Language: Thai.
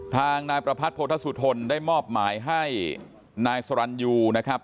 ทางนายประพัทธสุทนได้มอบหมายให้นายสรรยูนะครับ